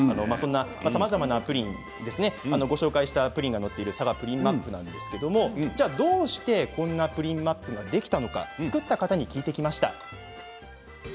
さまざまなご紹介したプリンが載っているさがプリンマップですがどうしてこんなプリンマップができたのか作った方に聞いてきました。